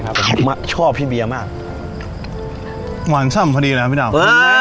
ครับผมกันได้ครับชอบพี่เบียร์มากหวานช่ำพอดีเลยครับพี่ดาว